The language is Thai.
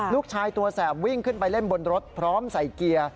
ลูกชายตัวแสบวิ่งขึ้นไปเล่นบนรถพร้อมใส่เกียร์